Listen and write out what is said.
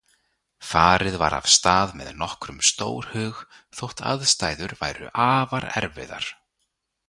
Farið var af stað með nokkrum stórhug þótt aðstæður væru afar erfiðar.